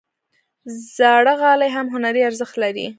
زاړه غالۍ هم هنري ارزښت لري.